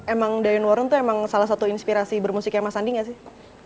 emang diane warren itu salah satu inspirasi bermusiknya mas sandi gak sih